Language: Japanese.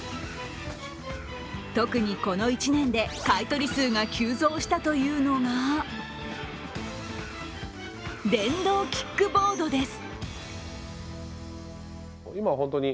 特にこの１年で買い取り数が急増したというのが電動キックボードです。